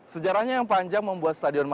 sejarahnya yang panjang membuat stadionnya